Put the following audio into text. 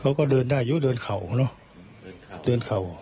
เขาก็เดินได้เยอะเดินเข่าเนอะเดินเข่า